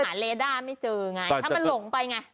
เลด้าไม่เจอไงถ้ามันหลงไปไง